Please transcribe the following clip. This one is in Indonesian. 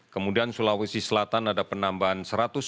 kemudian sulawesi selatan ada penambahan satu ratus sepuluh